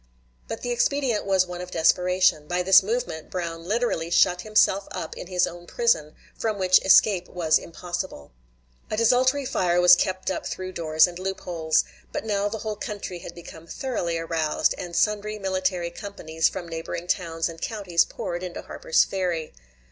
But the expedient was one of desperation. By this movement Brown literally shut himself up in his own prison, from which escape was impossible. A desultory fire was kept up through doors and loop holes. But now the whole country had become thoroughly aroused, and sundry military companies from neighboring towns and counties poured into Harper's Ferry.